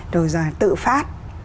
rồi tự phát